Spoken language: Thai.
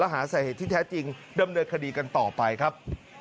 หาสาเหตุที่แท้จริงดำเนินคดีกันต่อไปครับ